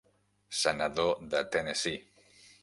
Senador de Tennessee.